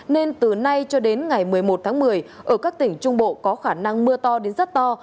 nên từ nay cho đến ngày một mươi một tháng một mươi ở các tỉnh trung bộ có khả năng mưa to đến rất to